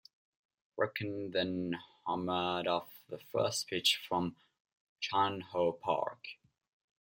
Ripken then homered off the first pitch from Chan Ho Park.